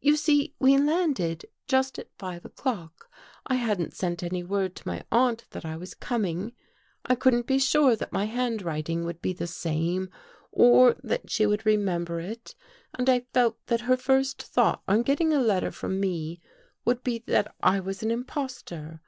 You see we landed just at five o'clock. I hadn't sent any word to my aunt that I was com ing. I couldn't be sure that my handwriting would be the same or that she would remember it and I felt that her first thought on getting a letter from me would be that I was an impostor.